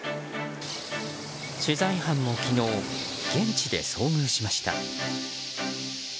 取材班も昨日現地で遭遇しました。